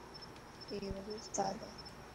اي وڏو استاد هي.